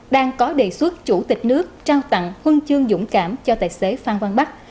đang có đề xuất chủ tịch nước trao tặng huân chương dũng cảm cho tài xế phan văn bắc